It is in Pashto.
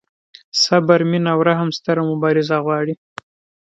صبر، مینه او رحم ستره مبارزه غواړي.